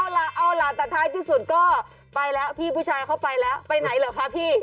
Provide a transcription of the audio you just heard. เอาล่ะเอาล่ะแต่ท้ายที่สุดก็ไปแล้วพี่ผู้ชายเข้าไปแล้วไปไหนเหรอคะพี่